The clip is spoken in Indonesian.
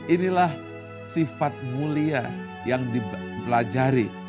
inilah sifat mulia yang dipelajari